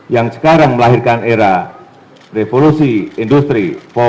yang sekarang melahirkan era revolusi industri empat